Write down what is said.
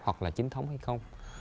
hoặc là chính thống hay không